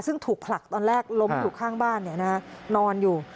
ซึ่งถูกผลักตอนแรกล้มอยู่ข้างบ้านนอนอยู่